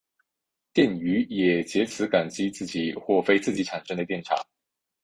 电鱼也藉此感知自己或非自己产生的电场。